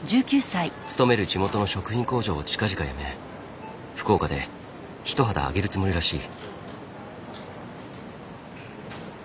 勤める地元の食品工場を近々辞め福岡で一旗揚げるつもりらしい。